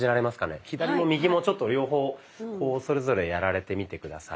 左も右もちょっと両方それぞれやられてみて下さい。